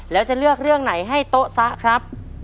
แล้วจะเลือกเรื่องไหนให้โต๊ะซะครับ